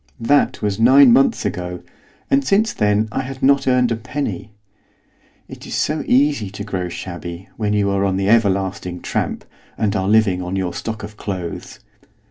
That was nine months ago, and since then I had not earned a penny. It is so easy to grow shabby, when you are on the everlasting tramp, and are living on your stock of clothes.